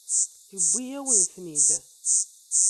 Yewwi-yawen-ten-id.